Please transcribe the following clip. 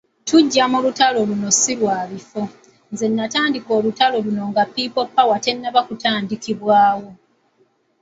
Tujja mu lutalo luno si lwa bifo, nze natandika olutalo luno nga People Power tennaba kutandikibwawo.